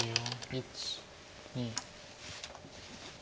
１２。